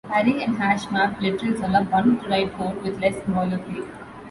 Array and hash map literals allow one to write code with less boilerplate.